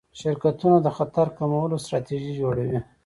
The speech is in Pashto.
شرکتونه د خطر کمولو ستراتیژي جوړوي.